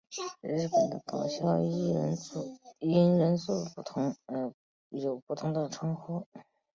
日本的搞笑艺人组合因人数不同而有不同的称呼。